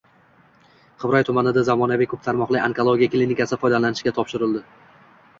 Qibray tumanida zamonaviy ko‘p tarmoqli onkologiya klinikasi foydalanishga topshirildi